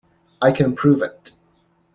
I can prove it.